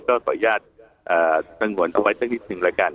ก็ขออนุญาตท่านหวันเอาไว้เท่าที่ถึงแล้วกัน